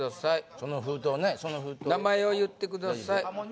その封筒ね名前を言ってください